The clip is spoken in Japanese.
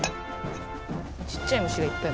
ちっちゃい虫がいっぱい。